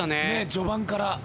序盤から。